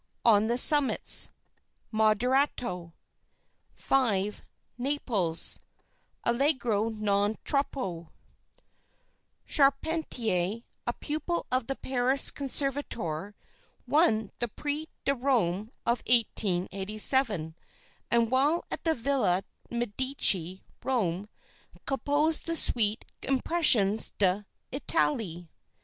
ON THE SUMMITS (Moderato) 5. NAPLES ( Allegro non troppo) Charpentier, a pupil of the Paris Conservatoire, won the Prix de Rome of 1887, and while at the Villa Medici, Rome, composed the suite Impressions d'Italie.